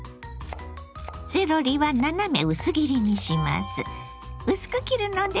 セロリは斜め薄切りにします。